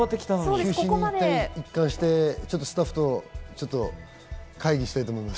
休止に関してスタッフと会議したいと思います。